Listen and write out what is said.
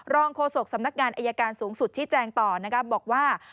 รองโฆษกสำนักงานอัยการสูงสุดที่แจ้งต่อบอกว่า